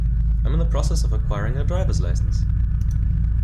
I'm in the process of acquiring a drivers license.